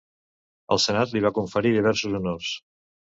El senat li va conferir diversos honors.